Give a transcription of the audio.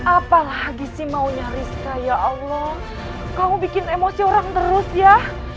apa lagi sih maunya rizka ya allah kamu bikin emosi orang terus ya